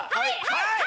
はい！